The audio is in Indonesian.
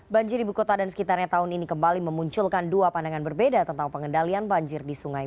banjir ibu kota dan sekitarnya tahun ini kembali memunculkan dua pandangan berbeda tentang pengendalian banjir di sungai